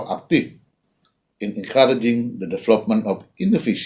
dalam memperkuat pengembangan inovasi